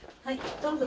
どうぞ。